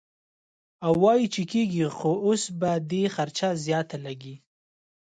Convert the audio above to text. او وائي چې کيږي خو اوس به دې خرچه زياته لګي -